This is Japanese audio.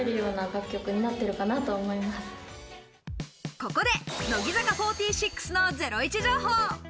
ここで乃木坂４６のゼロイチ情報。